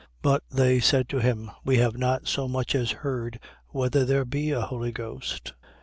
But they said to him: We have not so much as heard whether there be a Holy Ghost.